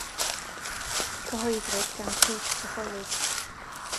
Cyhoeddwyd gan y Cylch Catholig.